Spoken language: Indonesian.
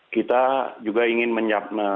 kita juga ingin menyiapkan